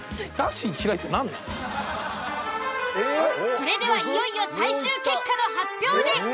それではいよいよ最終結果の発表です。